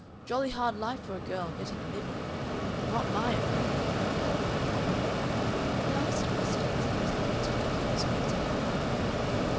Jolly hard life for a girl, getting a living. Not MY affair." He asked questions and listened to her views for a time.